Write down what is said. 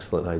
của hà nội